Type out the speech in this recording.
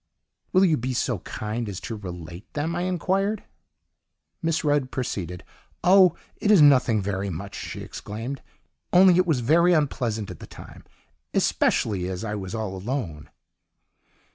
"Will you be so kind as to relate them?" I inquired. Miss Rudd proceeded: "Oh! it is nothing very much!" she exclaimed, "only it was very unpleasant at the time especially as I was all alone.